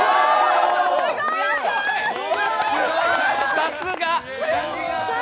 さすが。